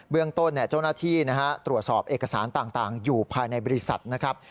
เรื่องต้นเจ้าหน้าที่ตรวจสอบเอกสารต่างอยู่ภายในบริษัทนะครับ